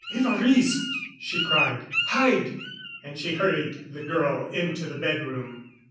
"Évariste!" she cried. "Hide" and she hurried the girl into the bedroom.